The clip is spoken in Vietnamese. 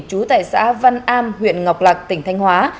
trú tại xã văn am huyện ngọc lạc tỉnh thanh hóa